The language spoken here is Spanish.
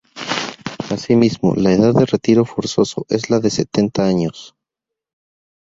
Asimismo, la edad de retiro forzoso es la de los setenta años.